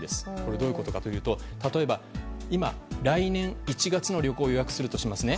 どういうことかというと例えば、今、来年１月の旅行を予約するとします。